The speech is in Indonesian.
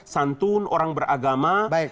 santun orang beragama